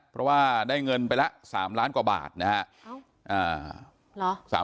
เพราะว่าได้เงินไปละ๓ล้านกว่าบาทนะครับ